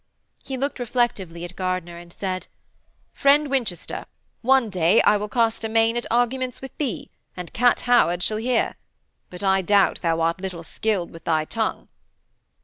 He looked reflectively at Gardiner and said: 'Friend Winchester, one day I will cast a main at arguments with thee, and Kat Howard shall hear. But I doubt thou art little skilled with thy tongue.'